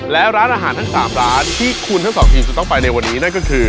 และร้านอาหารทั้ง๓ร้านที่คุณทั้งสองทีมจะต้องไปในวันนี้นั่นก็คือ